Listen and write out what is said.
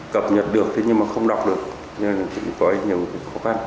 cập nhật được nhưng không đọc được cho nên có nhiều khó khăn